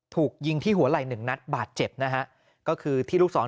ถูกยิงที่หัวไหล่หนึ่งนัดบาดเจ็บนะฮะก็คือที่ลูกศร